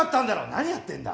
何やってんだ。